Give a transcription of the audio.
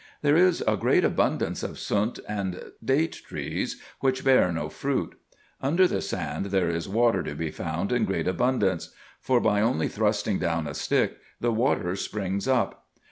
There is a great abundance of sunt and date trees, which bear no fruit. Under the sand there is water to be found in great abundance ; for, by only thrusting down a stick, the water springs up.